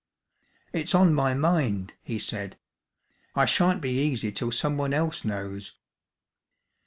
"It's on my mind," he said; "I shan't be easy till someone else knows."